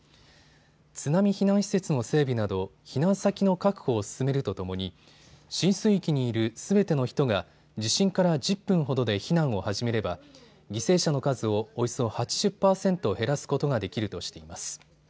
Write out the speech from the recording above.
津波避難施設の整備など避難先の確保を進めるとともに浸水域にいるすべての人が地震から１０分ほどで避難を始めれば犠牲者の数をおよそ８０％減らすことができるとしています。